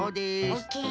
オッケー。